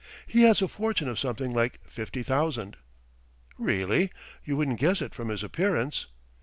He has a fortune of something like fifty thousand." "Really? You wouldn't guess it from his appearance.